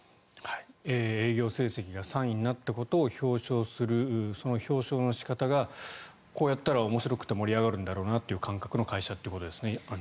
営業成績が３位になったことを表彰する、その表彰の仕方がこうやったら面白くて盛り上がるんだろうなという会社ですね。